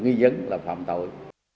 nghi dấn là phạm tội